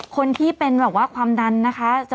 คนที่เป็นความดันนะคะ